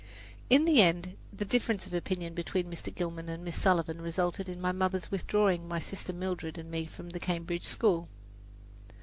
In the end the difference of opinion between Mr. Gilman and Miss Sullivan resulted in my mother's withdrawing my sister Mildred and me from the Cambridge school.